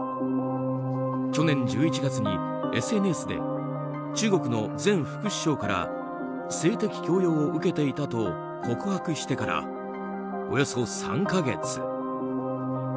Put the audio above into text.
去年１１月に、ＳＮＳで中国の前副首相から性的強要を受けていたと告白してからおよそ３か月。